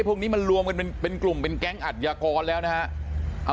พวกนี้มันรวมกันเป็นกลุ่มเป็นแก๊งอัดยากรแล้วนะฮะ